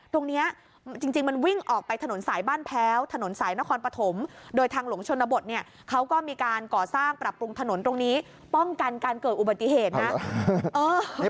ตรงนี้จริงมันวิ่งออกไปถนนสายบ้านแพ้วถนนสายนครปฐมโดยทางหลวงชนบทเนี่ยเขาก็มีการก่อสร้างปรับปรุงถนนตรงนี้ป้องกันการเกิดอุบัติเหตุนะ